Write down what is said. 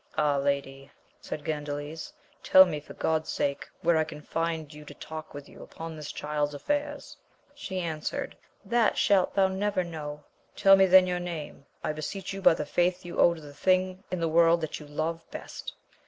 Ah, lady ! said Gandales, tell me for God's sake where I can find you to talk with you upon this child's affairs ! She answered, that shalt thou never know. Tell me then your name I beseech you by the faith you owe to the thing in the world that you love best.